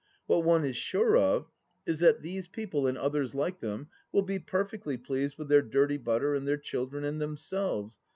What one is sure of is that these people, and others like them, will be perfectly pleased with their dirty butter and their children and themselves.